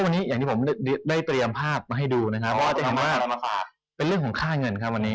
วันนี้อย่างที่ผมได้พรียมภาพมาให้ดูจะเห็นว่าเป็นเรื่องของค่าเงินครับวันนี้